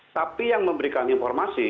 tapi yang memberikan informasi